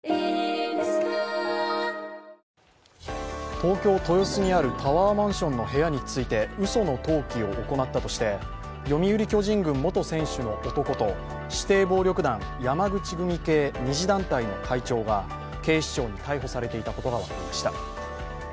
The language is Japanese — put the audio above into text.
東京・豊洲にあるタワーマンションの部屋についてうその登記を行ったとして読売巨人軍元選手の男と指定暴力団、山口組系二次団体の会長が警視庁に逮捕されていたことが分かりました。